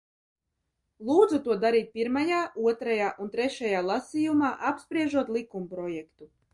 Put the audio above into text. Lūdzu to darīt pirmajā, otrajā un trešajā lasījumā, apspriežot likumprojektu.